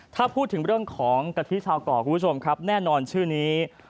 ถ้าพูดถึงเรื่องของกะทิชาวก่อคุณผู้ชมครับแน่นอนชื่อนี้